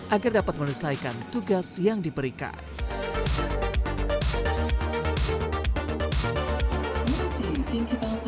agar dapat menyelesaikan tugas yang diberikan